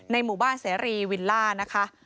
หมู่บ้านเสรีวิลล่านะคะ